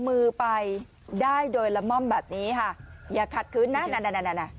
มือไปได้โดยละม่อมแบบนี้ค่ะอย่าขัดคืนนะนั่นนั่นน่ะ